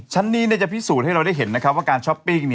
ชั้นนี้จะพิสูจน์ให้เราได้เห็นว่าการช้อปปิ้ง